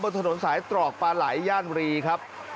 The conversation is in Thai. ถนนสายตรอกปลาไหลย่านรีครับ